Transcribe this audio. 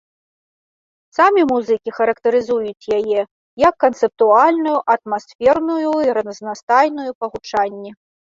Самі музыкі характарызуюць яе як канцэптуальную, атмасферную і разнастайную па гучанні.